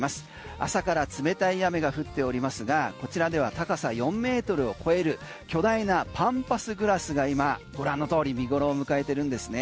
朝から冷たい雨が降っておりますが、こちらでは高さ４ｍを超える巨大なパンパスグラスが今、ご覧の通り見頃を迎えてるんですね。